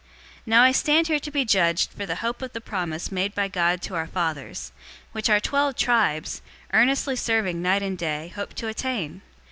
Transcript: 026:006 Now I stand here to be judged for the hope of the promise made by God to our fathers, 026:007 which our twelve tribes, earnestly serving night and day, hope to attain.